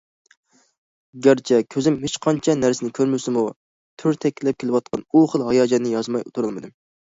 گەرچە كۆزۈم ھېچقانچە نەرسىنى كۆرمىسىمۇ تۈرتەكلەپ كېلىۋاتقان ئۇ خىل ھاياجاننى يازماي تۇرالمىدىم.